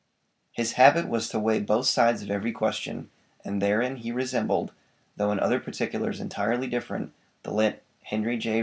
His habit was to weigh both sides of every question, and therein he resembled, though in other particulars entirely different, the late Henry J.